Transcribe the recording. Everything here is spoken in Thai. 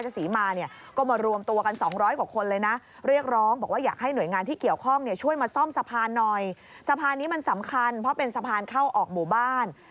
สาวปูนที่อยู่ใต้สะพาน